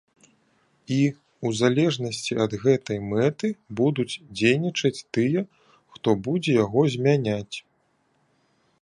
І ў залежнасці ад гэтай мэты будуць дзейнічаць тыя, хто будзе яго змяняць.